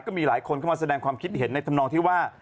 มีคนเข้ามาแสดงความคิดเห็นในธรรมนองที่ว่า